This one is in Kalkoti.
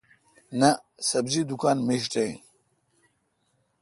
نہ ۔سبزی دکان میݭ تہ این۔